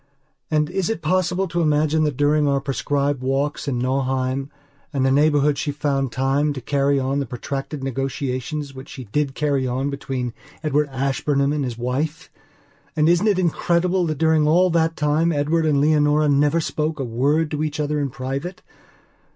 And is it possible to imagine that during our prescribed walks in Nauheim and the neighbourhood she found time to carry on the protracted negotiations which she did carry on between Edward Ashburnham and his wife? And isn't it incredible that during all that time Edward and Leonora never spoke a word to each other in private?